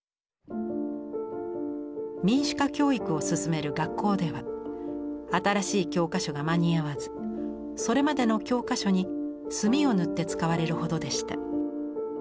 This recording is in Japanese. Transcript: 民主化教育を進める学校では新しい教科書が間に合わずそれまでの教科書に墨を塗って使われるほどでした。